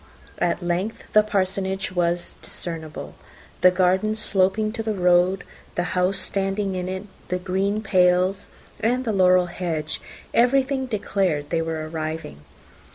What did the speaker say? At length the Parsonage was discernible. The garden sloping to the road, the house standing in it, the green pales and the laurel hedge, everything declared they were arriving.